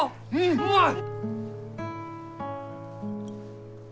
うまい！